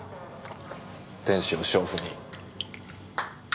天使を娼婦に。